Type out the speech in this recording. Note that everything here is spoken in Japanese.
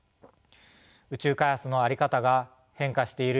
宇宙開発の在り方が変化している